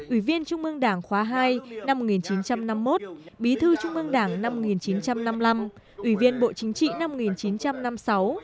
ủy viên trung mương đảng khóa hai năm một nghìn chín trăm năm mươi một bí thư trung ương đảng năm một nghìn chín trăm năm mươi năm ủy viên bộ chính trị năm một nghìn chín trăm năm mươi sáu